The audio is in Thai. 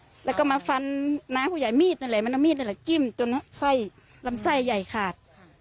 แล้วก็มาฟันน้าผู้ใหญ่มีดนั่นแหละมันเอามีดนั่นแหละจิ้มจนไส้ลำไส้ใหญ่ขาด